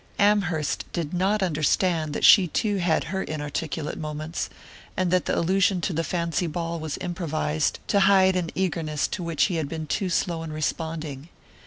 Amherst did not understand that she too had her inarticulate moments, and that the allusion to the fancy ball was improvised to hide an eagerness to which he had been too slow in responding.